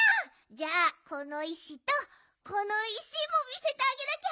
じゃあこのいしとこのいしもみせてあげなきゃ。